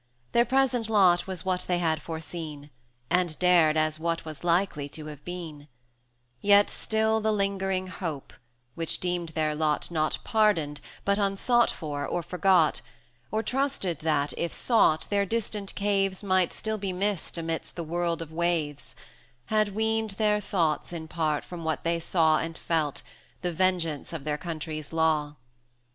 30 Their present lot was what they had foreseen, And dared as what was likely to have been; Yet still the lingering hope, which deemed their lot Not pardoned, but unsought for or forgot, Or trusted that, if sought, their distant caves Might still be missed amidst the world of waves, Had weaned their thoughts in part from what they saw And felt, the vengeance of their country's law.